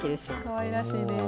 かわいらしいです。